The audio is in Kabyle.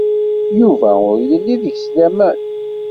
Yuba ur yelli deg-s laman.